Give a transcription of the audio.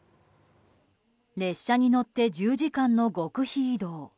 列車に乗って１０時間の極秘移動。